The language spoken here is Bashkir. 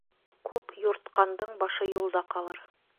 Күп юртҡандың башы юлда ҡалыр.